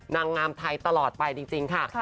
นางงามไทยตลอดไปจริงค่ะ